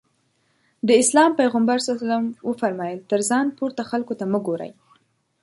د اسلام پيغمبر ص وفرمايل تر ځان پورته خلکو ته مه ګورئ.